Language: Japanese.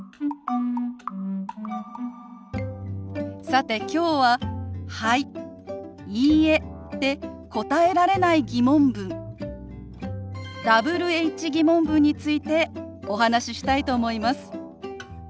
さてきょうは「はい」「いいえ」で答えられない疑問文Ｗｈ−疑問文についてお話ししたいと思います。